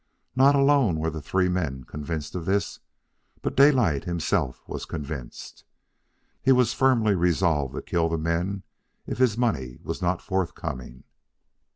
Not alone were the three men convinced of this, but Daylight himself was convinced. He was firmly resolved to kill the men if his money was not forthcoming.